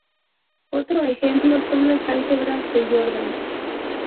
Otro ejemplo son las álgebras de Jordan.